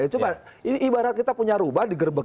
coba ini ibarat kita punya rumah di gerbek